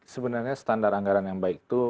sebenarnya standar anggaran yang baik itu